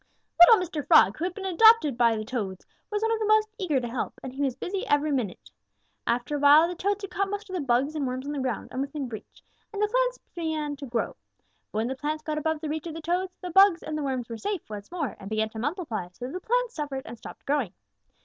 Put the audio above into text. "Little Mr. Frog, who had been adopted by the Toads, was one of the most eager to help, and he was busy every minute. After a while the Toads had caught most of the bugs and worms on the ground and within reach, and the plants began to grow. But when the plants got above the reach of the Toads, the bugs and the worms were safe once more and began to multiply so that the plants suffered and stopped growing.